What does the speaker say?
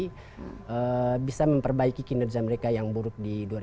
jadi bisa memperbaiki kinerja mereka yang buruk di dua ribu empat belas